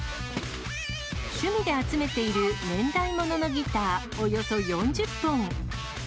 趣味で集めている年代物のギター、およそ４０本。